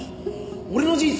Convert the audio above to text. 俺の人生